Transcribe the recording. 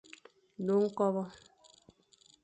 Du ñkobe.